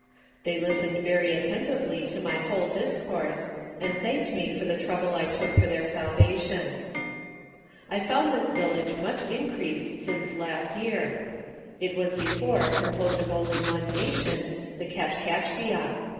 They listened very at tentively to my whole discourse, and thanked me for the trouble I took for thjir salvation. I found this village much increased since last year. It was before composed of only one nation, the Kachkachkia.